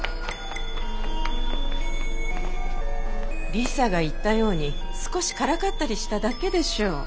理沙が言ったように少しからかったりしただけでしょう。